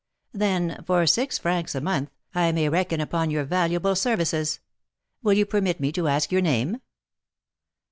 "Then for six francs a month, I may reckon upon your valuable services. Will you permit me to ask your name?"